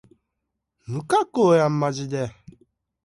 無加工やんまじで